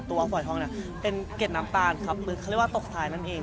ฝอยทองเนี่ยเป็นเก็ดน้ำตาลครับหรือเขาเรียกว่าตกท้ายนั่นเอง